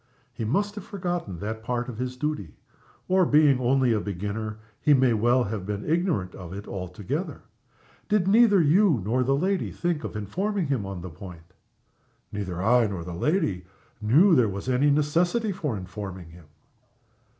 "He must have forgotten that part of his duty or being only a beginner, he may well have been ignorant of it altogether. Did neither you nor the lady think of informing him on the point?" "Neither I nor the lady knew there was any necessity for informing him."